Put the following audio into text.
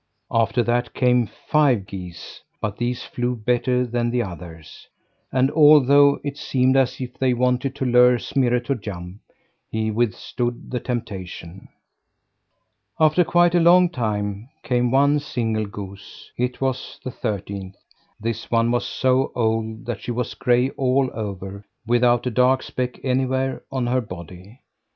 After that came five geese; but these flew better than the others. And although it seemed as if they wanted to lure Smirre to jump, he withstood the temptation. After quite a long time came one single goose. It was the thirteenth. This one was so old that she was gray all over, without a dark speck anywhere on her body.